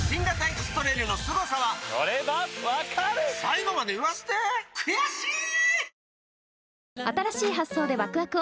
エクストレイルのすごさは最後まで言わせて悔しい！